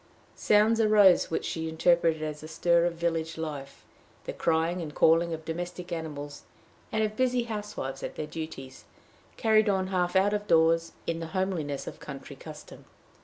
Sounds arose which she interpreted as the stir of village life, the crying and calling of domestic animals, and of busy housewives at their duties, carried on half out of doors, in the homeliness of country custom.